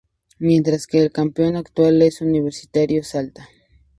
Mientras que el campeón actual es Universitario Salta.